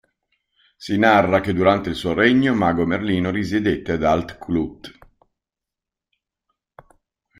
Si narra che durante il suo regno mago Merlino risiedette ad Alt Clut.